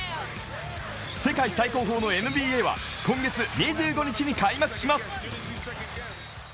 世界最高峰のＮＢＡは今月２５日に開幕します。